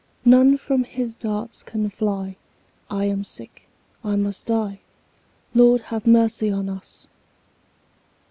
None from his darts can fly; 5 I am sick, I must die— Lord, have mercy on us!